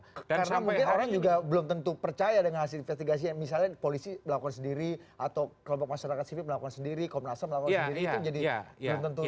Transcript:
karena mungkin orang juga belum tentu percaya dengan hasil investigasi yang misalnya polisi melakukan sendiri atau kelompok masyarakat sivik melakukan sendiri komnasal melakukan sendiri